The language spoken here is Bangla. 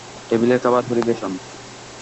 টেবিলে খাবার পরিবেশন?